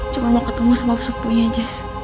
cuma mau ketemu sepupunya jes